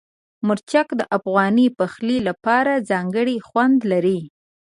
مرچک د افغاني پخلي لپاره ځانګړی خوند لري.